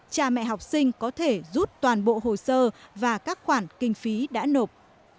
cha mẹ học sinh có thể rút toàn bộ hồ sơ và các khoản kinh phí đã nộp